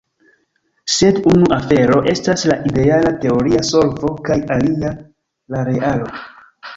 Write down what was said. Sed unu afero estas la ideala teoria solvo kaj alia la realo.